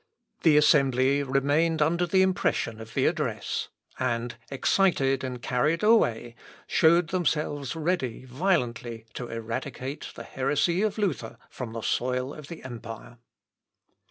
The assembly remained under the impression of the address, and, excited and carried away, showed themselves ready violently to eradicate the heresy of Luther from the soil of the empire.